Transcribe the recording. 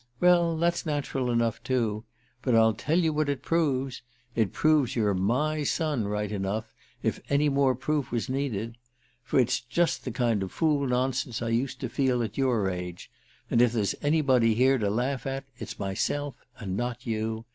Well, that's natural enough, too; but I'll tell you what it proves. It proves you're my son right enough, if any more proof was needed. For it's just the kind of fool nonsense I used to feel at your age and if there's anybody here to laugh at it's myself, and not you.